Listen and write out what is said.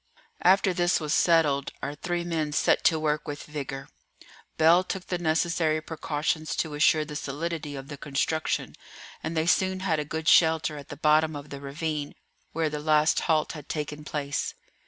After this was settled, our three men set to work with vigour. Bell took the necessary precautions to assure the solidity of the construction, and they soon had a good shelter at the bottom of the ravine where the last halt had taken place.